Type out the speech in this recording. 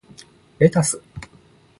レタス